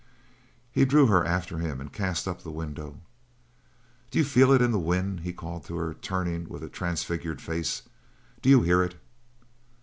He drew her after him and cast up the window. "Do you feel it in the wind" he called to her, turning with a transfigured face. "Do you hear it?"